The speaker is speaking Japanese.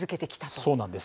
そうなんです。